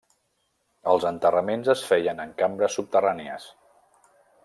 Els enterraments es feien en cambres subterrànies.